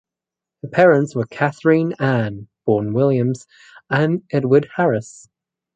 Her parents were Catherine Anne (born Williams) and Edward Harris.